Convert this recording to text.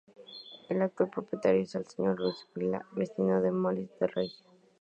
El actual propietario es el señor Lluís Vila, vecino de Molins de Rei.